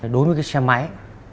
đối với chiếc xe máy